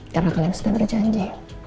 karena kalian sudah berjanji